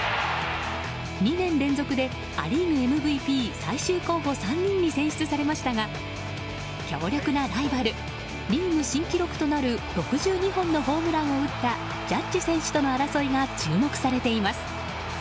２年連続でア・リーグＭＶＰ最終候補３人に選出されましたが強力なライバルリーグ新記録となる６２本のホームランを打ったジャッジ選手との争いが注目されています。